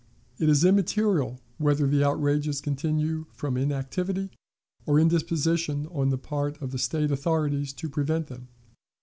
It is immaterial whether the outrages continue from inactivity or indisposition on the part of the State authorities to prevent them.